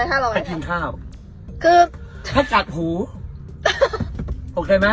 นุ่นรุงจ่ายตังหนูทำไม